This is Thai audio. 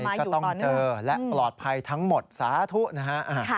ก็ต้องเจอและปลอดภัยทั้งหมดสาธุนะฮะ